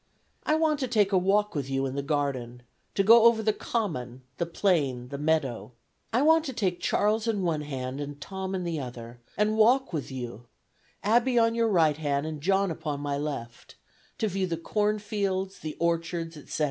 ... I want to take a walk with you in the garden, to go over to the common, the plain, the meadow. I want to take Charles in one hand and Tom in the other, and walk with you, Abby on your right hand and John upon my left, to view the corn fields, the orchards, etc. .